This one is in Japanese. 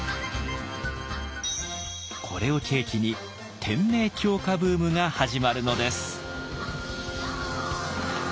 これを契機に“天明狂歌”ブームが始まるのです。